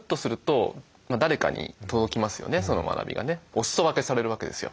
おすそ分けされるわけですよ。